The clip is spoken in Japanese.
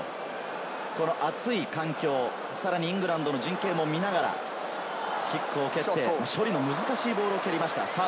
暑い環境、イングランドの陣形も見ながらキックを蹴って処理の難しいボール蹴りました。